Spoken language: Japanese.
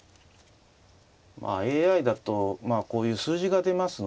まあＡＩだとこういう数字が出ますのでね